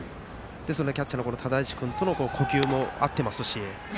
ですので、キャッチャーの只石君との呼吸も合っていますし。